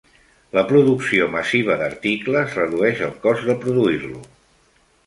La producció massiva d"articles redueix el cost de produir-lo.